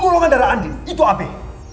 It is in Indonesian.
golongan darah andi itu ape